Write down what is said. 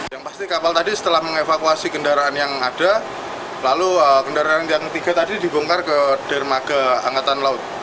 yang pasti kapal tadi setelah mengevakuasi kendaraan yang ada lalu kendaraan yang tiga tadi dibongkar ke dermaga angkatan laut